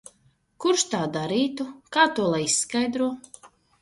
Kurš tā darītu? Kā to lai izskaidro?